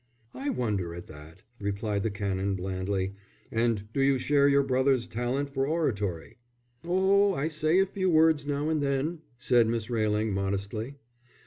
"I wonder at that," replied the Canon, blandly. "And do you share your brother's talent for oratory?" "Oh, I say a few words now and then," said Miss Railing, modestly.